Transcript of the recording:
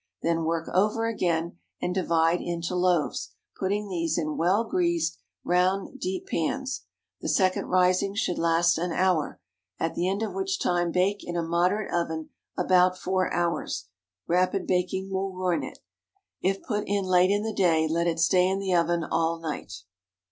Then work over again, and divide into loaves, putting these in well greased, round, deep pans. The second rising should last an hour, at the end of which time bake in a moderate oven about four hours. Rapid baking will ruin it. If put in late in the day, let it stay in the oven all night.